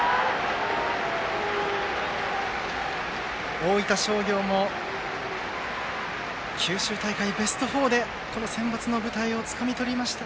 大分商業も九州大会ベスト４でこのセンバツの舞台をつかみとりました。